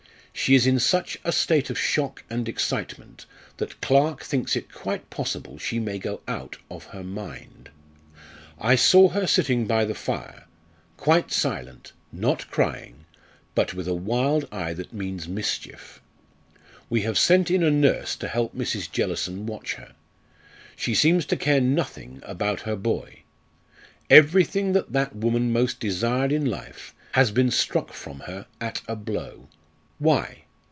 She is in such a state of shock and excitement that Clarke thinks it quite possible she may go out of her mind. I saw her sitting by the fire, quite silent, not crying, but with a wild eye that means mischief. We have sent in a nurse to help Mrs. Jellison watch her. She seems to care nothing about her boy. Everything that that woman most desired in life has been struck from her at a blow. Why?